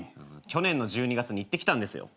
去年の１２月に行ってきたんですよ。